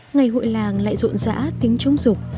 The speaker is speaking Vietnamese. ngày hội làng lại rộn rã tiếng chống dục